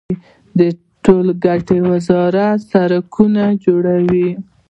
د ټولګټو وزارت سړکونه جوړوي